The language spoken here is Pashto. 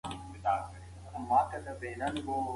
ټولنیز نهاد د ټولنیز نظم د دوام لامل کېږي.